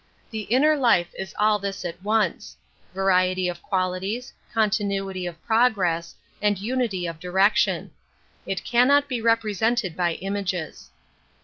The inner life is all this „ at once: variety of qualities, continuity of progress, and unity of direction. It cannot be represented by images.